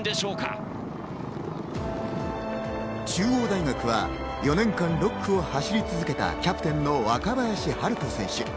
中央大学は４年間６区を走り続けたキャプテンの若林陽大選手。